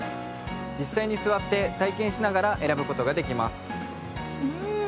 実際に座って体験しながら選ぶ事ができます。